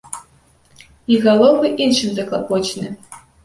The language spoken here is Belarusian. Іх галовы іншым заклапочаны.